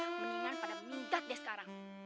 mendingan pada mindat deh sekarang